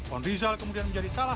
pon rizal kemudian menjadi salah